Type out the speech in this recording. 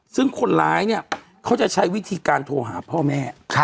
ซึ่งคนร้ายเนี่ยเขาจะใช้วิธีการโทรหาพ่อแม่